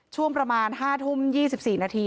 ช่วงประมาณ๕ทุ่ม๒๔นาที